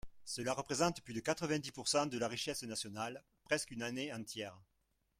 Cela représente plus de quatre-vingt-dix pourcent de la richesse nationale, presque une année entière.